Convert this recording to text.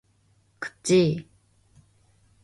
그치?